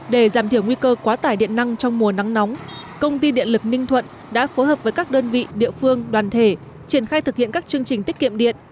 để giảm thiểu nguy cơ quá tải điện năng trong mùa nắng nóng công ty điện lực ninh thuận đã phối hợp với các đơn vị địa phương đoàn thể triển khai thực hiện các chương trình tiết kiệm điện